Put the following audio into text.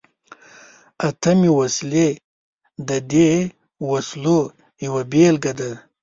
اتمي وسلې د دې وسلو یوه بیلګه ده.